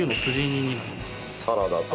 サラダと。